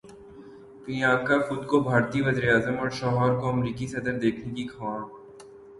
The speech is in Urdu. پریانکا خود کو بھارتی وزیر اعظم اور شوہر کو امریکی صدر دیکھنے کی خواہاں